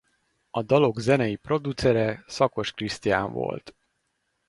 A dalok zenei producere Szakos Krisztián volt.